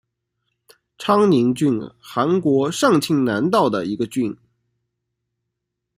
昌宁郡韩国庆尚南道的一个郡。